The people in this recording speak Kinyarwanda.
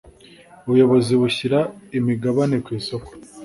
ubuyobozi bushyira imigabane ku isoko